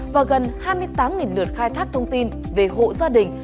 và gần hai mươi tám lượt khai thác thông tin về hộ gia đình